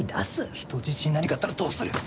人質に何かあったらどうする！